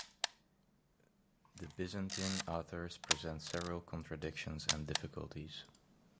The Byzantine authors present several contradictions and difficulties.